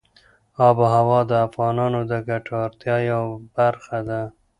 آب وهوا د افغانانو د ګټورتیا یوه برخه ده.